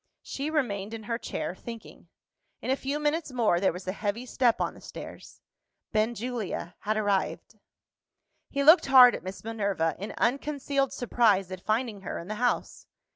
She remained in her chair, thinking. In a few minutes more, there was a heavy step on the stairs. Benjulia had arrived. He looked hard at Miss Minerva, in unconcealed surprise at finding her in the house.